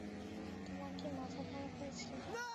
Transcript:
তোমার কি মাথা খারাপ হয়েছে?